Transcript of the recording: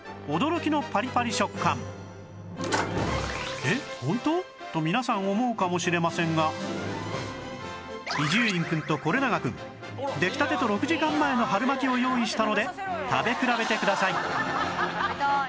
「えっ！本当？」と皆さん思うかもしれませんが伊集院くんと是永くん出来たてと６時間前の春巻を用意したので食べ比べてください！